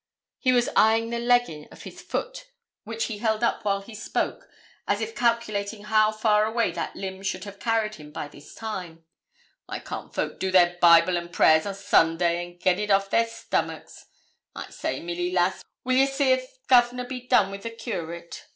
He was eyeing the legging of the foot which he held up while he spoke, as if calculating how far away that limb should have carried him by this time. 'Why can't folk do their Bible and prayers o' Sundays, and get it off their stomachs? I say, Milly lass, will ye see if Governor be done wi' the Curate?